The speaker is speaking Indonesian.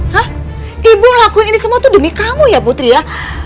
hah ibu lakuin ini semua tuh demi kamu ya putri ya